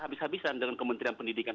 habis habisan dengan kementerian pendidikan